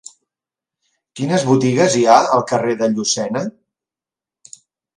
Quines botigues hi ha al carrer de Llucena?